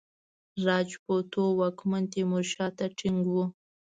راجپوتو واکمن تیمورشاه ته ټینګ وو.